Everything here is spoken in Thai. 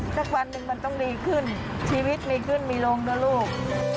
สักวันหนึ่งมันต้องดีขึ้นชีวิตมีขึ้นมีลงนะลูก